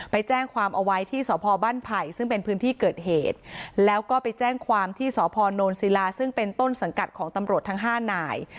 ไปแจ้งความเอาไว้ที่สพบ้านไผ่ซึ่งเป็นพื้นที่เกิดเหตุแล้วก็ไปแจ้งความที่สพนศิลาซึ่งเป็นต้นสังกัดของตำรวจทั้ง๕นาย